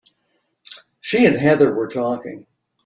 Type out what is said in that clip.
She and Heather were talking.